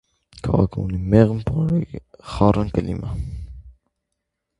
Քաղաքը ունի մեղմ, բարեխառն կլիմայ։